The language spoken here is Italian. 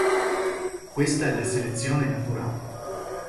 Questa è la selezione naturale.